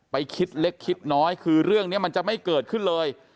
คิดเล็กคิดน้อยคือเรื่องนี้มันจะไม่เกิดขึ้นเลย